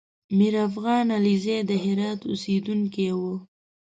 میرافغان علیزی د هرات اوسېدونکی و